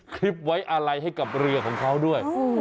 คลิปไว้อะไรให้กับเรือของเขาด้วย